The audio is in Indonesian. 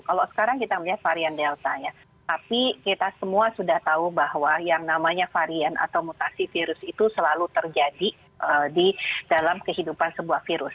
kalau sekarang kita melihat varian delta ya tapi kita semua sudah tahu bahwa yang namanya varian atau mutasi virus itu selalu terjadi di dalam kehidupan sebuah virus